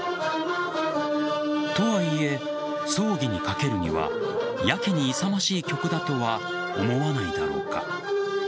とはいえ、葬儀にかけるにはやけに勇ましい曲だとは思わないだろうか。